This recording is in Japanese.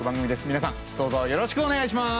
みなさんどうぞよろしくお願いします。